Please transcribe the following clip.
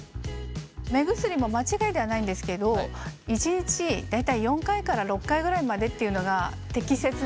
目薬も間ちがいではないんですけど１日大体４回から６回ぐらいまでっていうのが適切な使用方法でして。